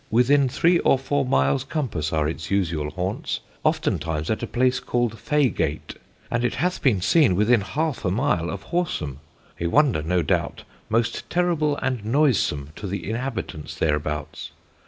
Within three or four miles compasse, are its usual haunts, oftentimes at a place called Faygate, and it hath been seene within halfe a mile of Horsam; a wonder, no doubt, most terrible and noisome to the inhabitants thereabouts.